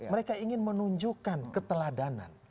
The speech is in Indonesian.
mereka ingin menunjukkan keteladanan